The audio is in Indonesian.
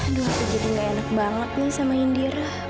aduh jadi gak enak banget nih sama indira